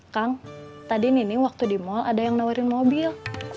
kang tadi nini waktu di mal ada yang menawarin mobil